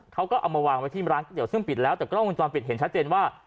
เขาก็เอามาวางไว้ที่ร้านก๋วซึ่งปิดแล้วแต่กล้องวงจรปิดเห็นชัดเจนว่า